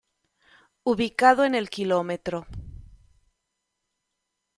Ubicado en el Km.